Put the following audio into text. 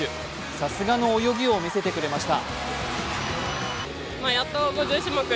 さすがの泳ぎを見せてくれました。